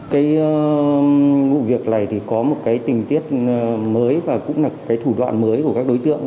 cái vụ việc này thì có một cái tình tiết mới và cũng là cái thủ đoạn mới của các đối tượng